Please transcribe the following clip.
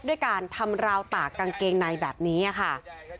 ด้วยการทำราวตากกางเกงในแบบนี้ค่ะ